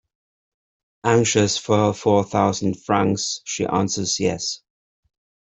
Anxious for her four thousand francs, she answers 'Yes.'